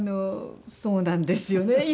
そうなんですよね